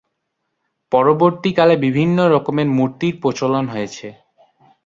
পরবর্তীকালে বিভিন্ন রকমের মূর্তির প্রচলন হয়েছে।